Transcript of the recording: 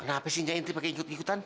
kenapa sih nya intri pake ikutan ikutan